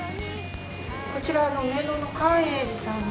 こちらは上野の寛永寺さんの。